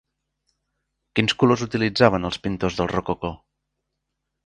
Quins colors utilitzaven els pintors del rococó?